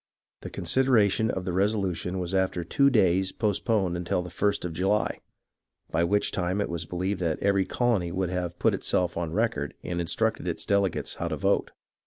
The consideration of the resolution was after two delays postponed until the first of July, by which time it was beheved that every colony would have put itself on record and instructed its delegates how to vote.